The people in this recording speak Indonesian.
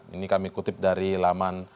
ini kami kutip dari lamandetik com